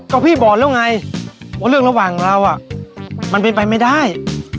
ก็พี่บอกแล้วไงว่าเรื่องระหว่างเรามันเป็นไปไม่ได้